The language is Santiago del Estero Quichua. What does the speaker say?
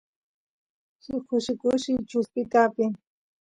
suk kushi kushi chuspita apin